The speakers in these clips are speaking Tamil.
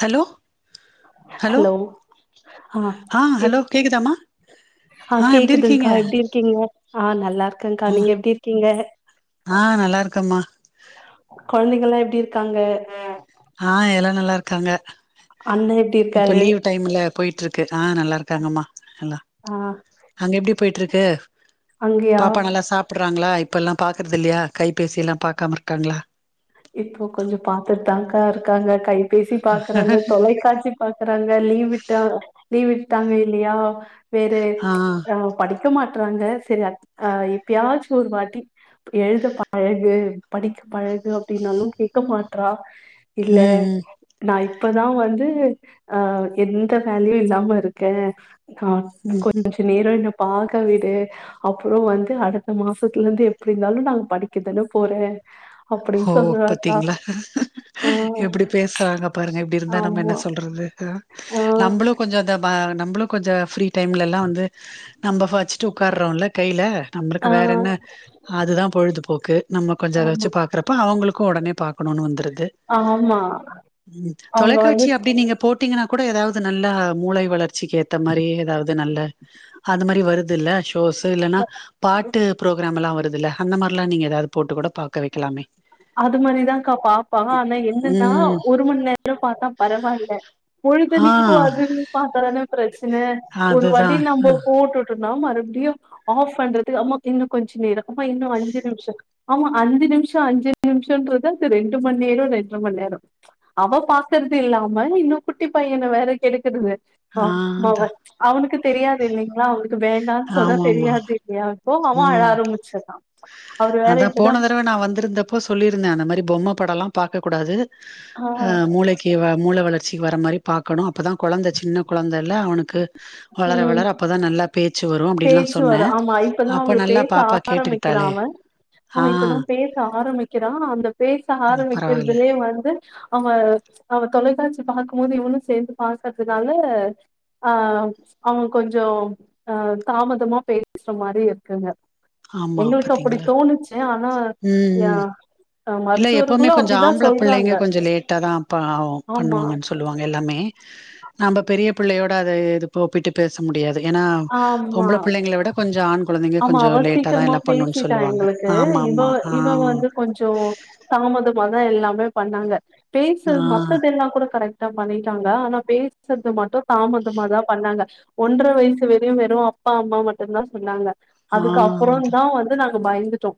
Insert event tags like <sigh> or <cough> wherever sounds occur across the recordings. ஹலோ ஹலோ ஆ எப் ஹலோ கேக்குதமா ஆ எப்பிடி இருக்கீங்க க்கீங்க ஆ நல்லா இருக்கங்கா ஆ நீங்க எப்பிடி இருக்கீங்க ஆ நல்லா இருக்கேமா கொழந்தைங்கலா எப்பிடி இருக்காங்க ஆ எல்லா நல்லா இருக்காங்க அண்ணே எப்படி இப்ப இருக்காரு லீவ் டைம்ல போயிட்டு இருக்கு ஆ நல்லா இருக்காங்கம்மா எல்லாம் ஆ அங்க எப்படி போய்ட்டு இருக்கு அங்கயா பாப்பா நல்லா சாப்ப சாப்பிடறாங்களா இப்பெல்லாம் பாக்கறது இல்லையா கைபேசி யெல்லாம் பாக்காம இருக்காங்களா இப்போ கொஞ்சம் பாத்துட்டு தாங்க்கா இருக்காங்க கைபேசி பாக்குறாங்க தொலைக்காட்சி பாக்குறாங்க லீவ் விட்டா லீவ் விட்டாங்க இல்லையா வேறே ஆ படிக்க மாட்டறாங்க சரி அ எப்பயாச்சும் ஒரு வாட்டி எழுத பழகு படிக்க பழகு எதுனாலும் திட்ட மாட்றா இல்ல ம் ம் நான் இப்பதான் வந்து அ எந்த வேலையூம் இல்லாம இருக்கேன் ஆ ம்ம் நேரம் என்ன பாக்க விடு அப்புறம் வந்து அடுத்த மாசத்துல இருந்து எப்படி இருந்தாலும் நா படிக்கதானே போறேன் அப்படி ஓ பாத்தீங்களா எப்படி பேசுறாங்க பாருங்க இப்படி இருந்தா நம்ம என்ன ஆமா. சொல்றது ஆ நம்மளும் கொஞ்சம் அந்த நம்மளும் கொஞ்சம் ஃப்ரீ டைம்ல எல்லாம் வந்து நம்ம படிச்சுட்டு உட்கார்றோல கைல நம்மளுக்கு ஆ வேற என்ன அதுதான் பொழுதுபோக்கு நம்ம கொஞ்சம் ஆமா ரசிச்சு பாக்கற அப்ப அவங்களுக்கும் ஒடனே பாக்கணும்னு வந்துருது ஆமா. அவங்க வந்து தொலைக்காட்சி அப்படி நீங்க போட்டு பாத்தீங்கன்னா கூட ஏதாவது நல்லா மூளை வளர்ச்சிக்கு ஏத்த மாதிரி ஏதாவது நல்ல அது மாதிரி வருதுல்ல ஷோஸ் இல்லைன்னா பாட்டு புரோக்கிராம் எல்லாம் வருது இல்ல அந்த மாதிரி எல்லாம் நீங்க ஏதாவது போட்டு கூட பாக்க வைக்கலாமே அது மாரிதான்க்கா பாப் ப என்னென்னா ம். ஒரு மணி நேரம் பார்த்தா பரவாயில்ல ஆ பொழுதன்னிக்கும் அது பாத்தானே பிரச்சன ஒரு அதுதா. வாட்டி நம்ம போட்டு மறுபடியும் ஆஃப் பண்றதுக்கு அம்மா இன்னும் கொஞ்ச நேரம் அம்மா இன்னும் அஞ்சு நிமிஷம் ஆமா அஞ்சு நிமிஷம் அஞ்சு நிமிஷம்ன்றது இது ரெண்டு மணி நேரம் ரெண்டு மணி நேரம் அவ பாக்குறது இல்லாம இன்னும் குட்டி பையன வேற கெடுக்குறது <unintelligible> ஆ ம அவனுக்கு தெரியாது இல்லைங்களா அவ க்கு வேண்டானு சொன்னா ஆமாமா. தெரியாது இல்லையா சோ அவ அழ ம். ஆரம்பிச்சுறா அதா போன தரவ நா வந்திருந்தப்ப இப்போ சொல்லியிருந்தே அந்த மாரி பொம்ம படோல்லா பாக்க கூடாது ஆ அ மூளைக்கி இவ மூள வளர்ச்சி வர மாரி பாக்கணும் அப்பதா கொழந்த சின்ன கொழந்தல்ல அவனுக்கு வளர ம் வளர அப்ப தா நல்லா பே பேச்சு வரும் ஆமா இப்பதா அவரு நல்லா பேச பாப்பா ஆரம்பிக்கிறா கேட்டுக்கிட்டாளே அவன் ஆ அவன் இப்பதா பேச ஆரம்பிக்கிறா அந்த பேச அ பரவால்ல ஆரம்பிக்கிறதுலயே வந்து அவன் அவ தொலைக்காட்சி பாக்கும் போது இவனு சேந்து பாக்கறதுனால அ அவ கொஞ்சோ அ தாமதமா பேசுற மாரி இருக்குங்க ஆமா எங்களுக்கு அப்டி பாத்தீங்களா தோணுச்சு ஆனா ம் எ ம் இல்ல எப்பவுமே கொஞ்சோ ஆம்பள பிள்ளைங்க கொஞ்சோ லேட்டா தா பா ஆகும் ஆமா பண்ணுவாங்கன்னு சொல் சொல்லுவாங்க எல்லாமே நாம பெரிய பிள்ளையோட அது இது இப்போ ஒப்பிட்டு பேச முடியாது ஏன்னா ஆமா பொம்பள பிள்ளைங்கள விட கொஞ்சோ ஆண் குழந்தைங்க ஆமா கொஞ்சோ அவ லேட்டா தா சீக்கிரமா எல்லா பேசிட்டா எங்களுக்கு இவ இவ வந்து கொஞ்சோ தாமதமா தா எல்லாமே பண்ணாங்க ஆ பேசறது மத்ததெல்லா கூட கரெக்ட் டா பண்ணிட்டாங்க ஆனா பேசறது மட்டும் தாமதமா தா பண்ணாங்க ஒன்ற வயசு வெரயு வெறு அப்பா அம்மா மட்டுந்தா சொன்னாங்க ஆ அதுக்கு அப்புறோந் தா அதான் வந்து நாங்க பயந்துட்டோ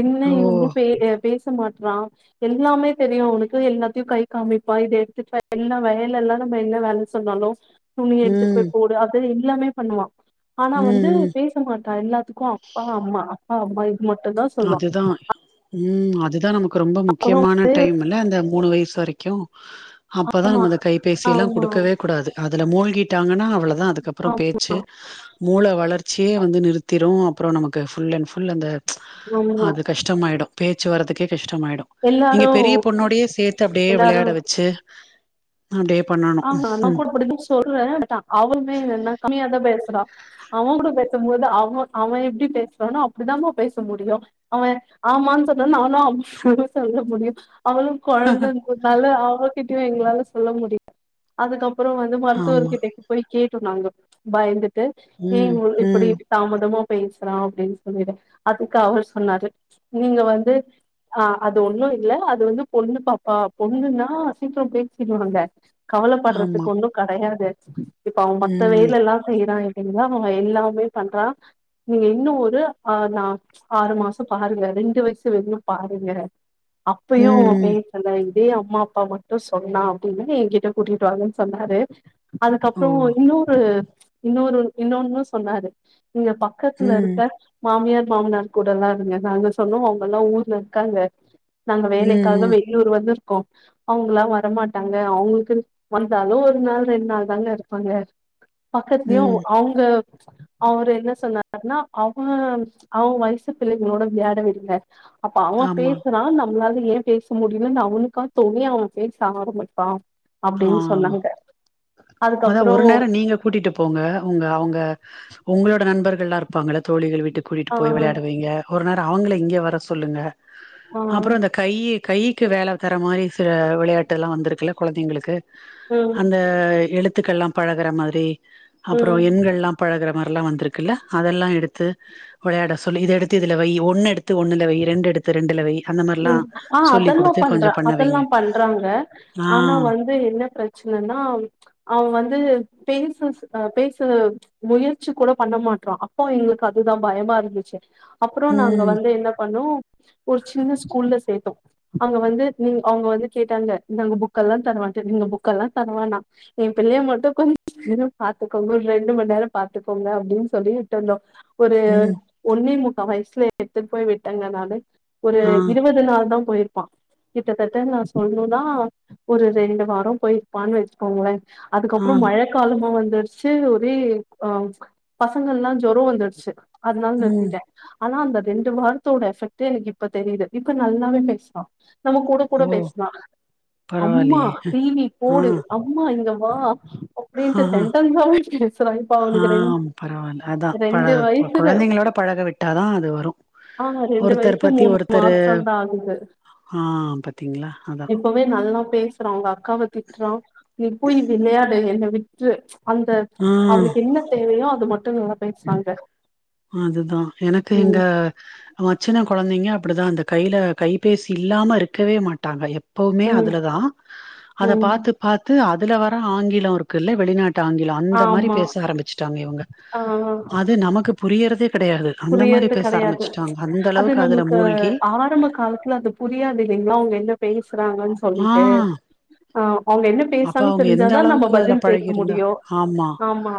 என்ன ஓ இன்னு பே அ பேச மாட்றா எல்லாமே தெரியு அவனுக்கு எல்லாத்தையு கை காமிப்பா இத எடுத்துட்டு எல்லா வயலல்லா நம்ம என்ன வேல சொன்னாலு துணி எடுத்துட்டு ம் போய் போடு அது எல்லாமே பண்ணுவா ஆனா ம் வந்து ம் பே ச மாட்டா எல்லாத்துக்கோ அப்பா அம்மா அப்பா அம்மா இது மட்டுந்தா சொல்லுவா அதுதா ம் அதுதா நமக் கு ரொம்ப முக்கியமான டைம் இல்ல அந்த மூணு வயசு வரைக்கோ அப்ப தா ஆமா நம்ம அந்த கைபேசியெல்லா ஆமா குடுக்கவே கூடாது அதுல மூழ்கிட்டாங்கன்னா அவ்ளோ தா அதுக்கப்றோ ஆமா பேச்சு மூள வளர்ச்சியே வந்து நிறுத்திறு அப்றோ நமக்கு ஃபுல் அண்ட் ஃபுல் அந்த ஆமா அது கஷ்டமாயிடோ பேச்சு வர்றதுக்கே கஷ்டமாயிடோ நீங்க எல்லாரு பெரிய பொண்ணோடயே சேத்து அப்டியே எல்லாரு வெளயாட வெச்சு அப்டியே பண்ணனோ சொல்ற பட் அவளுமே என்னன்ன கம்மியா தா பேசுறா அவங் கூட பேசும்போது அவ அவ எப்டி பேசுறானோ அப்டிதா மா பேச முடியோ அவ ஆமான்னு சொன்னா நானோ ஆமான்னு தா அவ சொல்ல முடியோ அவளு கொழந்தன்றனால அவகிட்டயு எங்களால சொல்ல முடியாது அதுக்கப்றோ வ ந்து ஆமா மருத்துவர்கிட்டக்கு போய் கேட்டோ நாங்க பயந்துட்டு ஏ ம் இப்டி ம் தாமதமா பேசுறா அப்டின் சொல்லிட்டு அதுக்கு அவர் சொன்னாரு நீங்க வந்து அ அது ஒண்ணு இல்ல அது வந்து பொண்ணு பாப்பா பொண்ணுன்னா சீக்ரோ பேசிடுவாங்க ஆமா கவலப்படறதுக்கு ஒன்னோ கெடையாது இப்ப அவ மத்த ம் வேலல்லா செய்றா செய்றா அவ எல்லாமே பண்றா நீங்க இன்னு ஒரு அ நா ஆறு மாசோ பாருங்க ரெண்டு வயசு வரையு பாருங்க ம் அப்பயு அவ ம் பேசல இதே அம்மா அப்பா மட்டோ சொன்னா அப்டின்னா நீ எ ங்கிட்ட கூட்டிட்டுவாங்கன்னு சொன்னாரு ஓ அதுக்கப்றோ இன்னொரு இன்னொரு இன்னொன்னு சொன்னாரு நீங்க பக்கத்துல ம் இருக்க மாமியார் மாமனார் கூடலா இருங்க நாங்க சொன்னோ அவங்கல்லா ஊர்ல இருக்காங்க நாங்க வேலைக்காக ம் ம் வெளியூர் வந்துருக்கோ அவங்ல்லா வரமாட்டாங்க அவுங்ளு வந்தாலு ஒரு நாள் ரெண்டு நாள் தாங்க இருப்பாங்க பக்கத்துலயு ம் அவுங்க அவரு என்ன சொன்னாருன்னா அவ அவ வயசு பிள்ளைகளோட விளையாட விடுங்க அப்ப அவ ஆமா பேசுறா ந ம்ளால ஏ பேச முடியலுன்னு அவனுக்கா தோணி அவ பேச ஆரம்பிப்பா ஆ அப்டின்னு சொன்னாங்க அதா அதுக்கப்புறோ ஒரு நேரம் நீங்க கூட்டிட்டு போங்க உங்க அவங்க உங்களோட நண்பர்கள்லா இரு ப்பாங்கல்ல தோழிகள் வீட்டு கூட்டிகிட்டு ஆ போய் விளையாடுவிங்க ஒரு நேரம் அவங்கள இங்க வர சொல்லுங்க ஆ அப்றோ இந்த கை கைக்கு வேல தர மாரி சில வெளையாட்டு எல்லா வந்துருக்குல்ல கொழந்தைங்களு ம் அந்த எழுத்துக்கள்லா பழகுற மாரி அப்றோ ம் எண்கள்லா பழகுற மாரிலா வந்துருக்குல்ல அதெல்லா எடுத்து விளையாட சொல்லி இத எடுத்து இதுல வை ஒன்னு எடுத்து ஒன்னுல வை ரெண்டு எடுத்து ரெண்டுல வை அந்த மா ம் ஆ அதல்லா பண்ற அதல்லா வைங்க பண்றாங்க ஆ ஆனா வந்து என்ன பிரச்சனன்னா அவ வந்து பேசஸ் பேச முயற்சி கூட பண்ண மாட்றா அப்போ எங்களுக்கு அதுதா பயமா இருந்துச்சு அப்றோ நாங்க ம் வந்து என்ன பண்ணோ ஒரு சின்ன ஸ்கூல்ல சேத்தோ அங்க வந்து நீங் அவங்க வந்து கேட்டாங்க நாங்க புக்கல்லா தர மாட்டோ நீங்க புக்கல்லா தரவானா எ பிள்ளைய மட்டு கொஞ்ச நேரம் பாத்துக்கோங்க ஒரு ரெண்டு மண்நேரம் பாத்துக்கோங்க அப்டின் சொல்லி ட்டோனே ஒரு ம் ஒன்னே முக்கா வயஸ்ல எடுத்துட்டு போய் விட்டேங்க நானு ஒரு ஆ இருவது நாள் தா போய் இருப்பான் கிட்டத்தட்ட நா சொல்ணுனா ஒரு ரெண்டு வாரொ போய்யிருப்பான்னு வச்சுக்கோங்ளே ஆ அதுக்கப்றோ மழ காலமோ வந்துடுச்சு ஒரே ஆ பசங்கள்லா ஜொரொ வந்துட்ச்சு அத்னால ம் நிறுத்திட்டே ஆனா அந்த ரெண்டு வாரத்தோட எஃபெக்டே இப் ப தெரியுது இப்ப நல்லாவே பேஸ்வா நம்ம கூட கூட ஓ பேஸ்லா அம்மா பரவால்லயே டிவி ஆ போடு அப் அம்மா இங்க வா ஆ அப்டின்ட்டு சென்டன்சாவே பேசுறா இப்பா ஆ அவனுக்கு ரெண் பரவால்ல அதா பழ ரெண்டு வயசுதெ கொழந்தைங்களோட பழக விட்டாதா அது வரூ ஆ ரெண்டு வயசு மூணு மாசந்தா ஆகுது ஆ பாத்தீங்களா அதா இப்பவே நல்லா பேசுறா அவங்க அக்காவ திட்றா நீ போய் விளையாடு என்ன விட்ரு அந்த ஆ அவூங்களூக்கு என்ன தேவையோ அது மட்டூ நல்லா பேசுறாங்க அதுதா எனக்கு இந்த ம் மச்சின கொழந்தைங்க அப்டிதா அந்த கையில கைபேசி இல்லாம இருக்கவே மாட்டாங்க எப்பவ்வூமே ம் அதுல தா அத ம் பாத்து பாத்து அதுல வர ஆங்கிலோ இருக்குல்ல வெளிநாட்டு ஆங்கிலோ அந்த மாரி ஆமா பேச ஆரமிச்சட்டாங்க இவங்க ஆ அது நமக்கு புரியறதே கெடையாது அந்த மாரி புரியறது பேச கெடையாது ஆரம்பிச்சுட்டாங்க அந்த அது அளவுக்கு அதுல நம்மளுக்கு மூழ்கி ஆரம்ப காலத்துல அது புரியாது இல்லிங்ளா அவங்க என்ன பேசுறாங்கான் ஆ சொல்லிட்டு அ அவங்க என்ன அப்ப பேசாங் அவங்க எந்த தெரிஞ்சாதா நம்ம அளவுக்கு அதுல பதில் போச பழகிருந்தா முடியூ ஆமா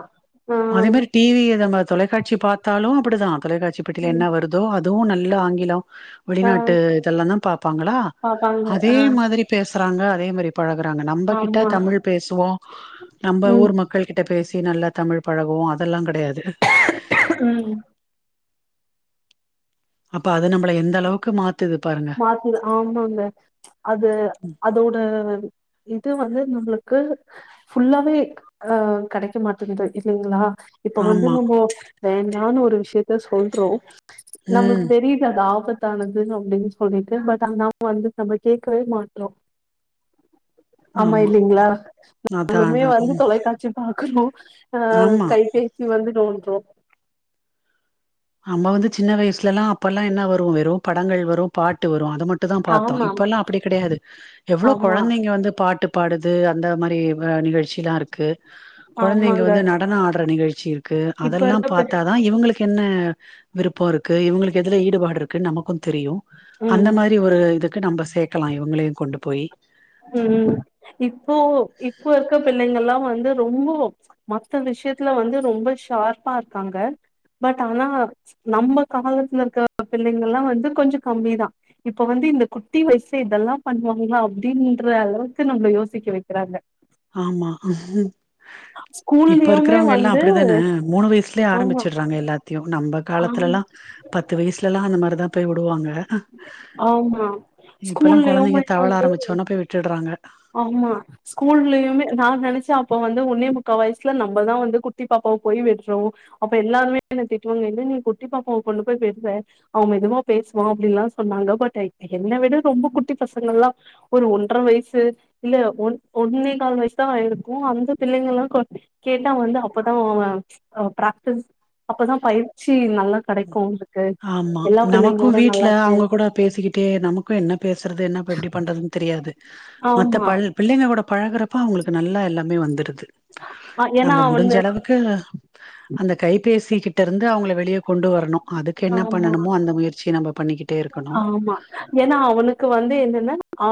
ஆ அதே மாரி டிவி நம்ம தொலைக்காட்சி பாத்தாலு அப்டிதா தொலைக்காட்சி பெட்டியில என்ன ம் வருதோ அது அதுவு நல்ல ஆங்கிலம் ஆ வெளிநாட்டு இதெல்லாதா பாப்பாங்களா பாப்பாங்க அதே ஆ மாதிரி பேசுறாங்க அதே மாரி பழகுறாங்க நம்ம கிட்ட ஆமா தமிழ் பேசுவோ நம்ம ம் ஊர் மக் கள் கிட்ட பேசி நல்லா தமிழ் பழகுவோ அதெல்லா கெடயாது ம் அப்ப அது நம்ள எந்த அளவுக்கு மாத்துது பாருங்க அது ஆமாங்க அது அதோட இது வந்து உங்களுக்கு ஃபுல்லாவே அ கெடைக்க மாட்டேங்கது இல்லிங்ளா இப்ப வந்து ஆமா நம்ம வேண்டான்னு ஒரு விஷயத்த சொல்றோ நம்ளுக்கு ம் தெரியுது அது ஆபத் தானது அப்டின்னு சொல்லிட்டு பட் நாம வந்து நம்ம கேக்கவே மாட்ரோ ஆமா இல்லிங்ளா அதா எப்பயூமே அதா வந்து தொலைக்காட்சி பாக்குறோ அ ஆமா கைபேசி வந்து நோன்றோ நாம்மவது சின்ன வயசுலலா அப்பெல்லா என்னா வரூ வெறும் படங்கள் வரூ பாட்டு வரூ அது மட் டுந் பாத்தோம் ஆமா இப்பெல்லா அப்டி கெடையாது எவ்ளோ ஆமா கொழந்தைங்க வந்து பாட்டுப் பாடுது அந்த மாரி நிகழ்ச்சி தா இருக்கு கொழந்தைங்க ஆமாங்க வந்து நடன ஆடுற நிகழ்ச்சி இருக்கு இப்ப அதெல்லா இருக்க பெ பாத்தாதா இவுங்களுக்கு என்ன விருப்போ இருக்கு இவுங்களுக்கு எதுல ஈடுபாடு இருக்கு நமக்கூ தெரியூ அந்த ம் மாரி ஒரு இதுக்கு நம்ம சேக்கலா இவுங்களயூ கொண்டு போயீ ம் ம் இப்போ இப்போ இருக்க பிள்ளைங்கலா வந்து ரொம்போ மத்த விஷயத்துல வந்து ரொம்ப ஷார்ப்பா இருக்காங்க பட் ஆனா நம்ம காலத்துல இருக்க பிள்ளைங்களலா வந்து கொஞ்சொ கம்மிதா இப்ப வந்து இந்த குட்டி வயசெ இதெல்லா பண்ணுவாங்களா அப்டின்ற அளவுக்கு நம்மள யோசிக்க வெக்கிறாங்க ஆமா ஸ்கூ இப்ப இருக்குறவங்க எல்லா அப்டிதானே மூணு வயசுலயே ஆமா ஆரம்பிச்சடுறாங்க எல்லாத்தியு நம்ம ஆ காலத்துல எல்லா பத்து வயசுலெல்லா அந்த மாரிதா போய் வுடுவாங்க ஆமா இப்பல்லா கொழந்தைங்க ஸ்கூல்லயுமே தவள வந்து ஆரம்பிச்சோனா போய் விட்டுறாங்க ஆமா ஸ்கூல்லயுமே நா நெனச்சா அப்ப வந்து ஒன்னே முக்கா வயசுல நம்மதா வந்து குட்டி பாப்பாவ போய் விட்றோ அப்ப எல்லாருமே என்ன திட்டுவாங்க இல்ல நீ குட்டி பாப்பாவ கொண்டு போய் விட்ற அவன் மெதுமா பேசுவா அப்டின்ல்லா சொன்னாங்க பட் என்ன விட ரொம்ப குட்டி பசங்கள்லா ஒரு ஒன்ற வயசு இல்ல ஒ ஒன்னே கால் வயசு தா இருக்கு அந்த பிள்ளைங்கல்லா கேட்டா வந்து அப்பதா பிராக்டிஸ் அப்பதா பயிற்சி நல்லா கெடைக்கு ஆமா எல்லா நமக்கு பிள்ளைங்களோட வீட்ல நல்லா அவுங்க சே- கூட பேசிக்கிட்டே நமக்கு என்ன பேசுறது என்ன ப எப்டி பண்றது தெரியாது மத்த ஆமா ப பிள்ளைங்களோட பழகுறப்ப அவுங்களுக்கு நல்லா எல்லாமே வந்துருது அ- ஏன்னா நம்ம முடிஞ்ச அவனு அளவு க்கு அந்த கைபேசி கிட்ட இருந்து அவுங்கள வெளியே கொண்டு வரணு கென்னா ஆமா பண்ணணுமோ அந்த முயற்சி நம்ம பண்ணிக்கிட் ஆமா ஏனா அவனுக்கு வந்து என்னென்னா ஆ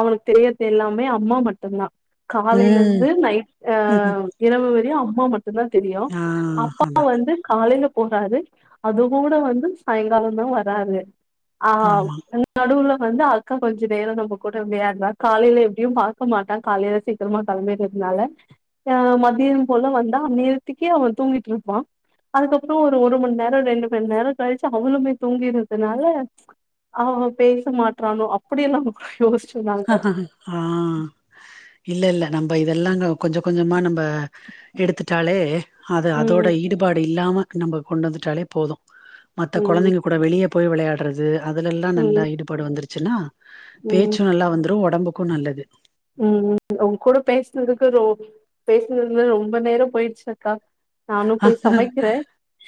அவனுக்கு தெரியற்து எல்லாமே அம்மா மட்டுந்தா காலைல ம் இருந்து நைட் ஆ இரவு வரையு அம்மா மட்டுந்தா தெரியு ஆ அப்பா அதா வந்து காலைல போறாரு அது கூட வந்து சாயங்காலத்தா வராரு ஆ ஆமா ம் நடுவுல வந்து அக்கா கொஞ்ச நேர நம்ம கூட விளையாட்றா காலைல எப்டியு பாக்க மாட்டா காலைல சீக்கிரமா கெளம்பிற்றத்துனால ஆ மதியம் போல வந்தா அந் நேரத்துக்கி அவ தூங்கிட்டு இருப்பா அதுக்கப்பறோ ஒரு மண் நேரோ ரெண்டு மண் நேரோ கழிச்சி அவளுமே தூங்கிறத்துனால அவ பேச மாட்றானோ அப்புடியெல்லா யோஸ்ச்சோ நாங்க ஆ இல்ல இல்ல நம்ம இதெல்லா கொஞ்ச கொஞ்சமா நம்ப எடுத்துட்டாலே அது ம் அதோட ஈடுபாடு இல்லாம நம்ம கொண்டு வந்துட்டாலே போது மத்த ம் கொழந்தைங்க கூட வெளியே போய் விளையாட்றது அதுல எல்லா ம் நல்லா ஈடுபாடு வந்துருச்சுன்னா ம் பேச்சு நல்லா வந்துரு ஒடம்புக்கு நல்லது ம் உங்க கூட பேசுனதுக்கு ரோ பேசுனதுல ரொம்ப நேரோ போயிருச்சி அக்கா நானு போய் சமைக்கிறே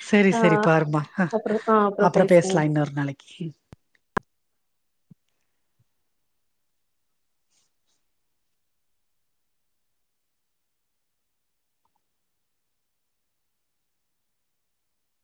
செரி ஆ செரி பாருமா அப்புறோ ஆ அப்புறோ அப்பறோ பேசுவோ பேசலா இன்னொரு நாளைக் ம்